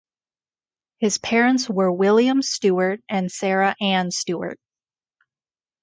His parents were William Stewart and Sarah Ann Stewart.